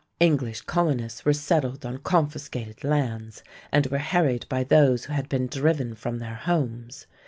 English colonists were settled on confiscated lands, and were harried by those who had been driven from their homes.